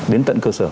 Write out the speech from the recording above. đến tận cơ sở